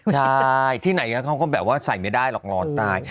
ใช่ที่ไหนเขาก็แบบว่าใส่ไม่ได้หรอกร้อนตาย